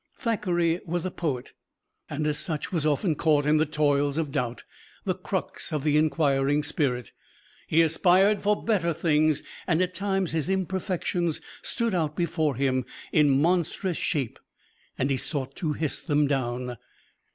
Thackeray was a poet, and as such was often caught in the toils of doubt the crux of the inquiring spirit. He aspired for better things, and at times his imperfections stood out before him in monstrous shape, and he sought to hiss them down.